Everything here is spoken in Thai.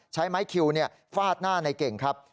ใช้ไม้คิวฟาดหน้าในเก่งครับ